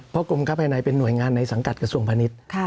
เพราะกรมค้าภายในเป็นหน่วยงานในสังกัดกระทรวงพาณิชย์